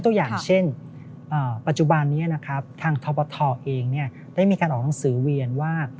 ตัวอย่างเช่นปัจจุบันนี้นะครับทางทบทเองได้มีการออกหนังสือเวียนว่า